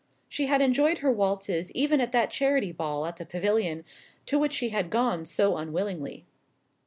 She had enjoyed her waltzes even at that charity ball at the Pavilion, to which she had gone so unwillingly.